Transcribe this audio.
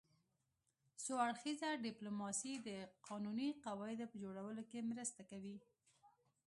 څو اړخیزه ډیپلوماسي د قانوني قواعدو په جوړولو کې مرسته کوي